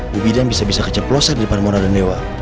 bu bidan bisa bisa keceplosan di depan mona dan dewa